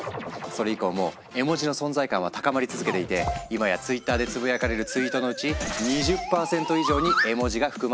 それ以降も絵文字の存在感は高まり続けていて今やツイッターでつぶやかれるツイートのうち２０％以上に絵文字が含まれているんだとか。